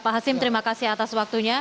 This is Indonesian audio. pak hasim terima kasih atas waktunya